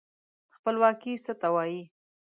خپلواکي څه ته وايي.